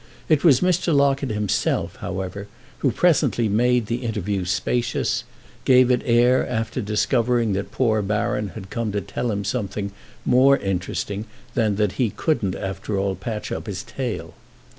It was Mr. Locket himself however who presently made the interview spacious, gave it air after discovering that poor Baron had come to tell him something more interesting than that he couldn't after all patch up his tale.